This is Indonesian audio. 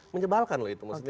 menyebalkan loh itu maksudnya